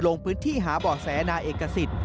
ลงพื้นที่หาบ่อแสนายเอกสิทธิ์